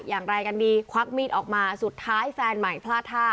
อย่างไรกันดีควักมีดออกมาสุดท้ายแฟนใหม่พลาดท่า